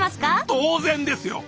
当然ですよ。